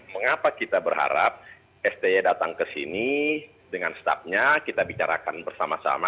mengapa kita berharap sti datang ke sini dengan staffnya kita bicarakan bersama sama